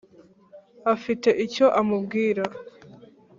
afite icyo amubwira .